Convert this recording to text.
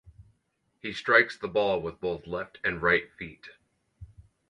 He strikes the ball with both left and right feet.